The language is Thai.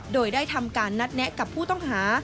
โดยได้ทำการนัดแนะกับผู้ต้องหา